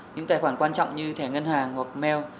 những tài khoản quan trọng như thẻ ngân hàng hoặc mail